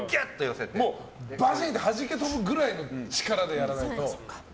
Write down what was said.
バシンってはじけ飛ぶくらいの力でやらないと。